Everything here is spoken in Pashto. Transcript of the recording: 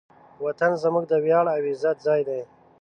وطن زموږ د ویاړ او عزت ځای دی.